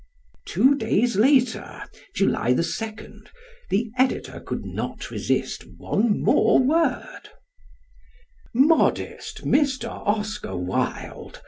Two days later (July 2nd) the Editor could not resist one more word: Modest Mr. Oscar Wilde.